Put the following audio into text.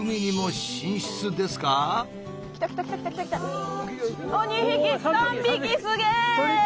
おっ２匹３匹すげえ！